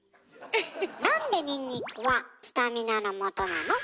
なんでニンニクはスタミナのもとなの？